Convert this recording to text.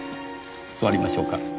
座りましょうか。